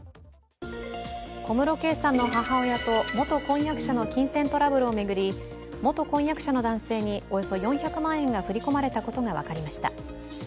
小室圭さんの母親と元婚約者の金銭トラブルを巡り元婚約者の男性におよそ４００万円が振り込まれたことが分かりました。